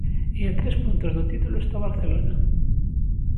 E a tres puntos do título está o Barcelona.